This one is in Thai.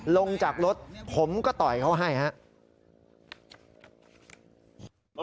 ลงจากรถผมก็ต่อยเขาให้ครับ